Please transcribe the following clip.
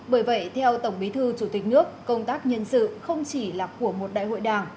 bởi vậy theo tổng bí thư chủ tịch nước công tác nhân sự không chỉ là của một đại hội đảng